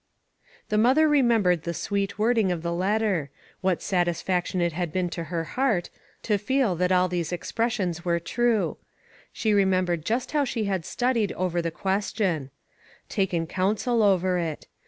The mother remembered the sweet word ing of the letter ; what satisfaction it had been to her heart to feel that all these ex pressions were true. She remembered just how she had studied over the question ; taken counsel over it.